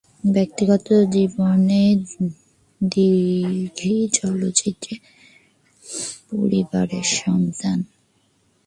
ব্যক্তিগত জীবনে দীঘি চলচ্চিত্র পরিবারের সন্তান।